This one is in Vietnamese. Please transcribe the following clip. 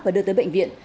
và đưa tới bệnh viện